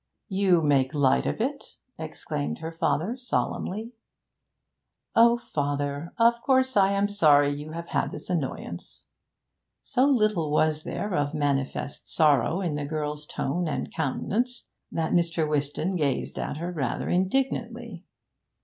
'You make light of it?' exclaimed her father solemnly. 'O father, of course I am sorry you have had this annoyance.' So little was there of manifest sorrow in the girl's tone and countenance that Mr. Whiston gazed at her rather indignantly.